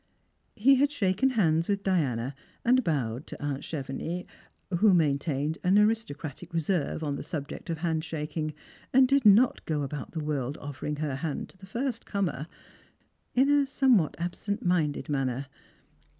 He had shaken hands with Diana, and bowed to aunt Cheve nix — who maintained an aristocratic reserve on the subject of hand shaking, and did not go about the world offering her hand to tke first comer — in a somev/hat absent minded manner.